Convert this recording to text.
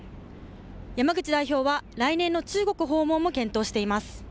山口代表は来年の中国訪問も検討しています。